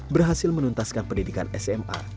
berhasil menuntaskan pendidikan sma